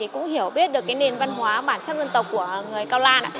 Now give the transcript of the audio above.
cũng hiểu biết được cái nền văn hóa bản sắc dân tộc của người cao lan